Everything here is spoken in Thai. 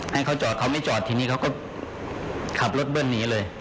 ให้เขาจอดเขาไม่จอดทีนี้เขาก็ขับรถเบิ้ลหนีเลย